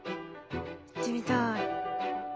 行ってみたい。